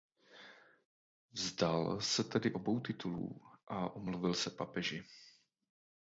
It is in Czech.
Vzdal se tedy obou titulů a omluvil se papeži.